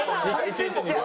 １日２回。